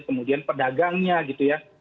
kemudian pedagangnya gitu ya